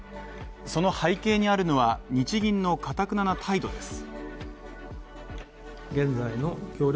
その背景にあるのは、日銀の頑なな態度です。